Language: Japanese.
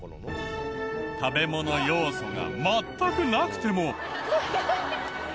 食べ物要素が全くなくても。